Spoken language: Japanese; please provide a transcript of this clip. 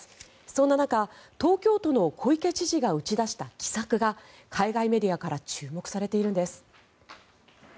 そんな中、東京都の小池知事が打ち出した奇策が海外メディアから注目されているんです。